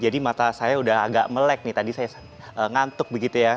jadi mata saya udah agak melek nih tadi saya ngantuk begitu ya